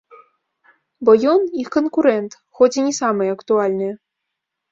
Бо ён -—іх канкурэнт, хоць і не самае актуальнае.